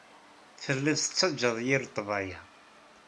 Tellid tettajjad yir ḍḍbayeɛ.